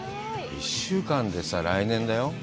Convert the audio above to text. １週間で来年だよ。